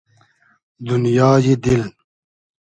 دونیای دیل